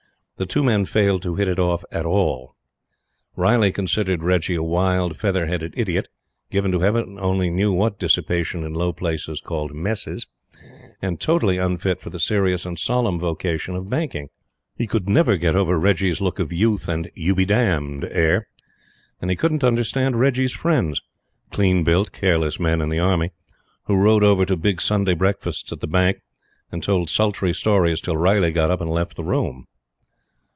The two men failed to hit it off at all. Riley considered Reggie a wild, feather headed idiot, given to Heaven only knew what dissipation in low places called "Messes," and totally unfit for the serious and solemn vocation of banking. He could never get over Reggie's look of youth and "you be damned" air; and he couldn't understand Reggie's friends clean built, careless men in the Army who rode over to big Sunday breakfasts at the Bank, and told sultry stories till Riley got up and left the room.